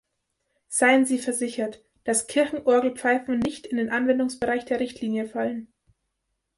Seien Sie versichert, dass Kirchenorgelpfeifen nicht in den Anwendungsbereich der Richtlinie fallen.